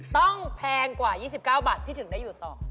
แพงกว่า๒๙บาทที่ถึงได้อยู่ต่อ